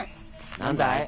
何だい？